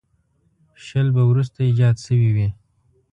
شل به وروسته ایجاد شوي وي.